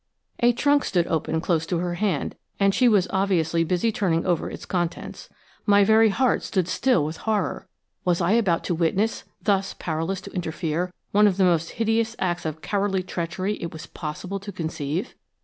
A trunk stood open close to her hand, and she was obviously busy turning over its contents. My very heart stood still with horror. Was I about to witness–thus powerless to interfere–one of the most hideous acts of cowardly treachery it was possible to conceive?